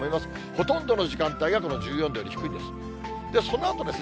ほとんどの時間帯がこの１４度より低いんです。